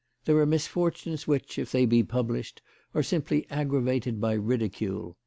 There are mis fortunes which, if they be published, are simply aggra vated by ridicule.